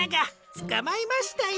つかまえましたよ。